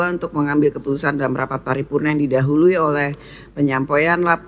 untuk mengambil keputusan dalam rapat paripurna yang didahului oleh penyampaian